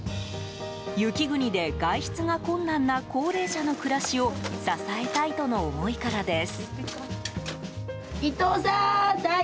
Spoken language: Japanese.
雪国で外出が困難な高齢者の暮らしを支えたいとの思いからです。